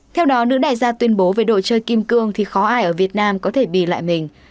theo đó nữ đại gia tuyên bố về đội chơi kim cương thì khó ai ở việt nam có thể bì lại mình